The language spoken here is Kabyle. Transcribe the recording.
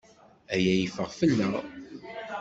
Aya yeffeɣ fell-aɣ.